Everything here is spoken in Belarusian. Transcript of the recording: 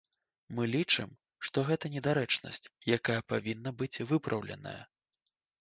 Мы лічым, што гэта недарэчнасць, якая павінна быць выпраўленая.